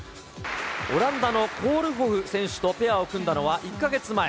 オランダのコールホフ選手とペアを組んだのは１か月前。